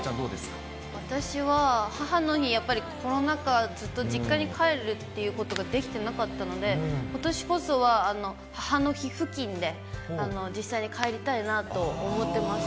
私は、母の日やっぱり、コロナ禍、ずっと実家に帰るっていうことができてなかったので、ことしこそは母の日付近で、実際に帰りたいなと思ってます。